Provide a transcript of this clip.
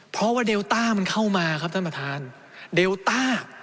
เพราะว่าเดลต้ามันเข้ามาครับท่านประธานเดลต้า